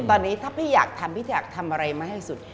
ตอนนี้ถ้าพี่อยากทำพี่อยากทำอะไรมาให้สุด